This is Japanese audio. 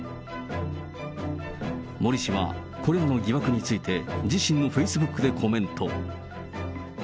森氏はこれらの疑惑について、自身のフェイスブックでコメント。